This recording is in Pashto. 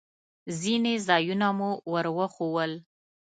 ځینې ځایونه مې ور وښوول.